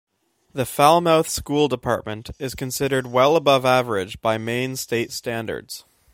The Falmouth School Department is considered well above average by Maine state standards.